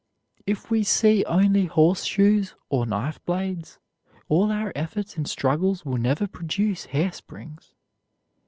If we see only horseshoes or knife blades, all our efforts and struggles will never produce hairsprings.